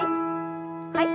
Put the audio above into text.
はい。